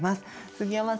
杉山さん